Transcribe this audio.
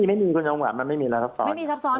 ไม่มีคุณองค์หวับไม่มีอะไรซับซ้อน